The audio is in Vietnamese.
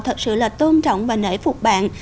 thật sự là tôn trọng và nể phục bạn